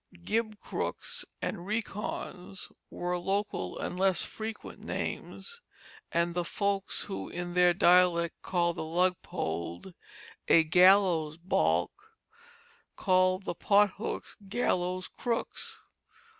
Gibcrokes and recons were local and less frequent names, and the folks who in their dialect called the lug pole a gallows balke called the pothooks gallows crooks.